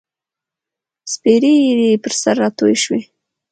سپیرې ایرې یې پر سر راتوی شوې